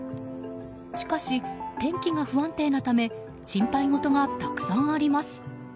しかし、天気が不安定なため心配事がたくさんあります。